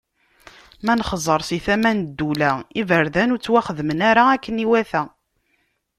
Ma nexẓer si tama n ddula: Iberdan ur ttwaxedmen ara akken iwata.